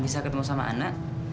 bisa ketemu sama ana